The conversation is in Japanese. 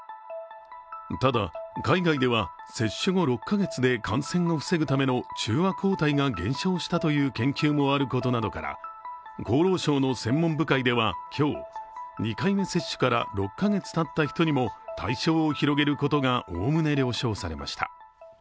ただ、海外では接種後６カ月で感染を防ぐための中和抗体が減少したという研究もあることなどから、厚労省の専門部会では今日、２回目接種から６カ月たった人にも対象を広げることがおおむね了承されました。